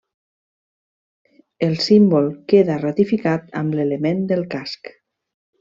El símbol queda ratificat amb l'element del casc.